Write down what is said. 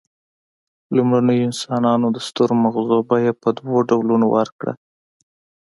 لومړنیو انسانانو د سترو مغزو بیه په دوو ډولونو ورکړه.